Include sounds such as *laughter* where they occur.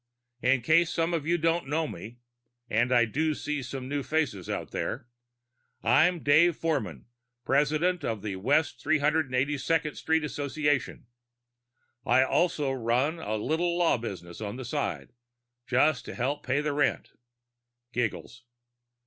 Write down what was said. In case some of you don't know me and I do see some new faces out there I'm Dave Forman, president of the West 382nd Street Association. I also run a little law business on the side, just to help pay the rent." *giggles*